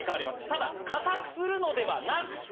ただ硬くするのではなくて。